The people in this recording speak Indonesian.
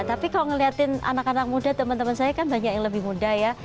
tapi kalau ngeliatin anak anak muda teman teman saya kan banyak yang lebih muda ya